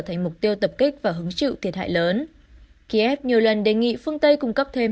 thành mục tiêu tập kích và hứng chịu thiệt hại lớn kiev nhiều lần đề nghị phương tây cung cấp thêm